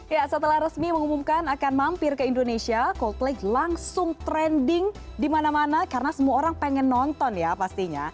ya setelah resmi mengumumkan akan mampir ke indonesia coldplay langsung trending di mana mana karena semua orang pengen nonton ya pastinya